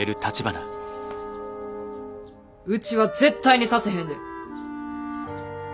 ウチは絶対にさせへんで！